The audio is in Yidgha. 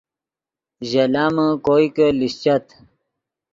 ژے لامے کوئے کہ لیشچت